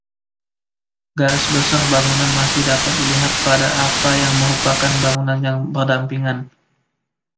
Garis besar bangunan masih dapat dilihat pada apa yang merupakan bangunan yang berdampingan.